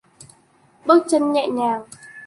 Bước chân nhẹ nhàng